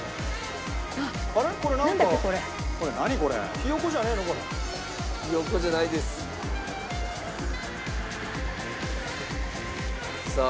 ひよ子じゃないです。さあ。